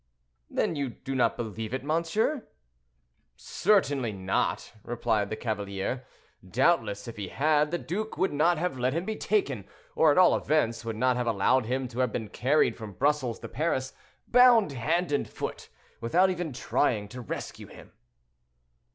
"Then you do not believe it, monsieur?" "Certainly not," replied the cavalier, "doubtless, if he had, the duke would not have let him be taken, or at all events would not have allowed him to have been carried from Brussels to Paris bound hand and foot, without even trying to rescue him."